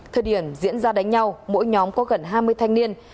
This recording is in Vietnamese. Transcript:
thời điểm diễn ra đánh nhau mỗi nhóm có gần hai mươi thanh niên